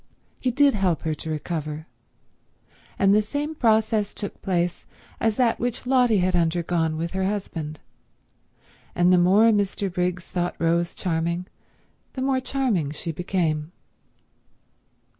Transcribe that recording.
He did help her to recover, and the same process took place as that which Lotty had undergone with her husband, and the more Mr. Briggs thought Rose charming the more charming she became.